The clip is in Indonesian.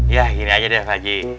ya gini aja deh pak ji